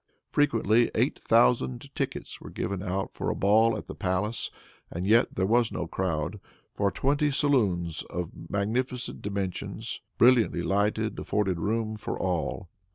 Frequently eight thousand tickets were given out for a ball at the palace, and yet there was no crowd, for twenty saloons, of magnificent dimensions, brilliantly lighted, afforded room for all.